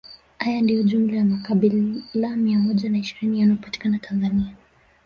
Haya ndiyo jumla ya makabila mia moja na ishirini yanayopatikana Tanzania